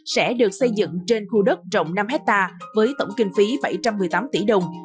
sẽ được xây dựng trên khu đất rộng năm hectare với tổng kinh phí bảy trăm một mươi tám tỷ đồng